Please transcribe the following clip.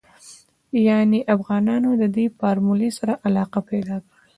يانې افغانانو ددې فارمولې سره علاقه پيدا کړې.